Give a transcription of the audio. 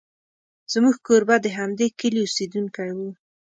زموږ کوربه د همدې کلي اوسېدونکی و.